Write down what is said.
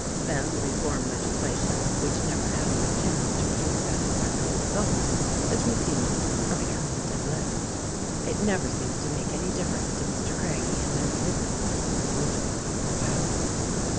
Then the reform legislation — which never 78 THE RECORDING ANGEL had any chance to produce satisfactory results — is repealed or becomes a dead letter. It never seems to make any difference to Mr. Craggie and men of his ilk, which party is in power."